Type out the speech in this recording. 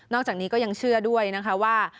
จากนี้ก็ยังเชื่อด้วยนะคะว่า